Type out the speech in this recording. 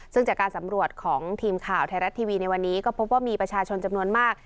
ซึ่งจากการสำรวจของทีมข่าวไทยรัฐทีวีในวันนี้ก็พบว่ามีประชาชนจำนวนมาก